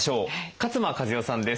勝間和代さんです。